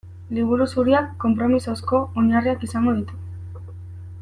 Liburu Zuriak konpromisozko oinarriak izango ditu.